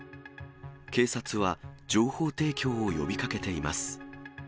警察は情報提供を呼びかけています。